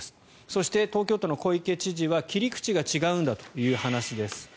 そして、東京都の小池知事は切り口が違うんだという話です。